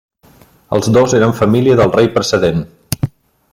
Els dos eren família del rei precedent.